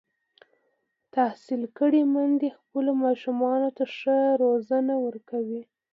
تحصیل کړې میندې خپلو ماشومانو ته ښه روزنه ورکوي.